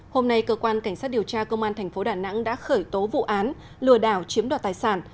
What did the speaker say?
hôm nay cơ quan cảnh sát điều tra công an thành phố đà nẵng đã khởi tố vụ án lừa đảo chiếm đoạt tài sản